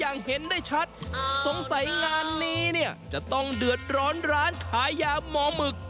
เห็นได้ชัดสงสัยงานนี้เนี่ยจะต้องเดือดร้อนร้านขายยาหมอหมึก